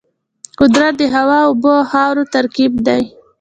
قدرت د هوا، اوبو او خاورو ترکیب دی.